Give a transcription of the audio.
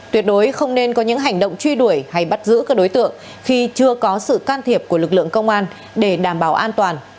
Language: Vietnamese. tuyệt đối không nên có những hành động truy đuổi hay bắt giữ các đối tượng khi chưa có sự can thiệp của lực lượng công an để đảm bảo an toàn